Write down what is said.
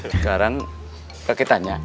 sekarang kakek tanya